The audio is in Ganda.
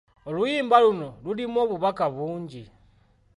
Oluyimba luno lulimu obubaka bungi.